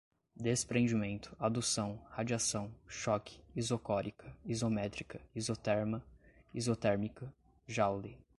desprendimento, adução, radiação, choque, isocórica, isométrica, isoterma, isotérmica, joule